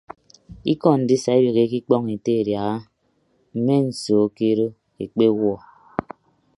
Ikọ ndisa ibeheke ikpọñ ete adiaha mme nsoo ke odo ekpewuọ.